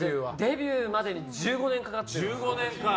デビューまでに１５年かかって。